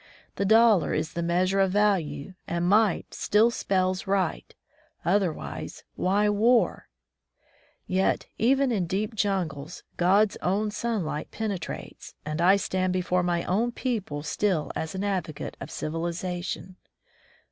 The dollar is the measure of value, and might still spells right; otherwise, why war? Yet even in deep jungles God's own sun light penetrates, and I stand before my own 194 The Soul of the White Man people still as an advocate of civilization.